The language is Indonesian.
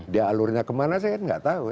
dia alurnya kemana saya kan nggak tahu